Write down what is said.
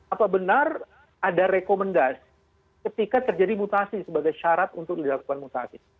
apa benar ada rekomendasi ketika terjadi mutasi sebagai syarat untuk dilakukan mutasi